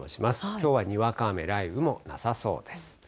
きょうはにわか雨、雷雨もなさそうです。